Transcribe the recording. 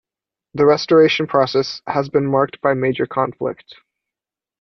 The restoration process has been marked by major conflict.